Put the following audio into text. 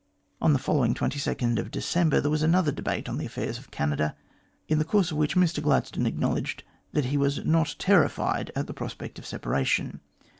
On the following December 22, there was another debate on the affairs of Canada, in the course of which Mr Glad stone acknowledged that he was not terrified at the prospect of separation.